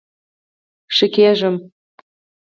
ښه کیږم